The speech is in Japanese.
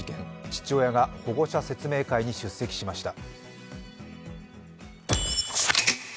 父親が保護者説明会に出席しました。